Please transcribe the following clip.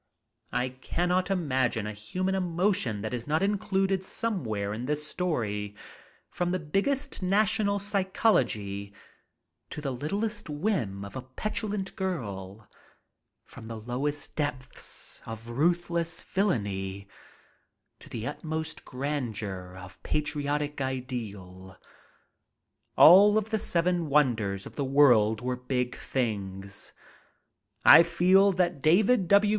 I cannot imagine a human emotion that is not included somewhere in this story from the biggest national psychology to the littlest whim of a petulant girl; from the lowest depths of ruthless villainy to the utmost grandeur of patriotic ideal. All of the seven wonders of the world were big things. I feel that David W.